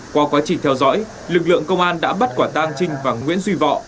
qua quá trình theo dõi lực lượng công an đã bắt quả tang trinh và nguyễn duy vọng